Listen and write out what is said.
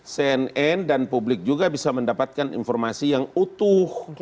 cnn dan publik juga bisa mendapatkan informasi yang utuh